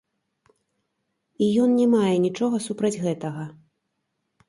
І ён не мае нічога супраць гэтага.